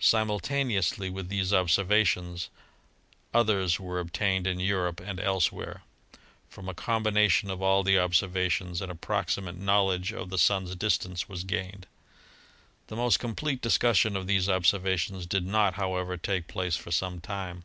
Simultaneously with these observations others were obtained in Europe and elsewhere. From a combination of 66 ASTRONOMY all the observations, an approximate knowledge of the Sun's distance was gained. The most complete discussion of these observations did not, however, take place for some time.